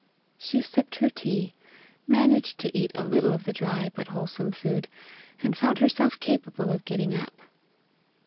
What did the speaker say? She sipped her tea, managed to eat a little of the dry but wholesome food, and found herself capable of getting up.